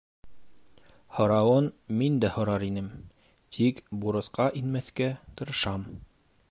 — Һорауын мин дә һорар инем, тик бурысҡа инмәҫкә тырышам.